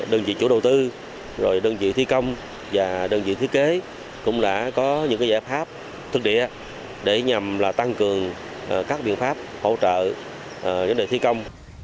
đơn vị chủ đầu tư đơn vị thi công và đơn vị thiết kế cũng đã có những giải pháp thực địa để nhằm tăng cường các biện pháp hỗ trợ vấn đề thi công